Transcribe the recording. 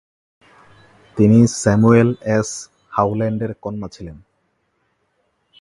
তিনি Samuel S. হাউল্যান্ডের কন্যা ছিলেন।